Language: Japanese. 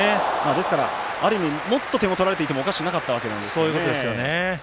ですから、ある意味もっと点を取られていてもおかしくなかったわけですよね。